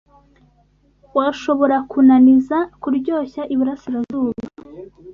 washobora kunaniza Kuryoshya iburasirazuba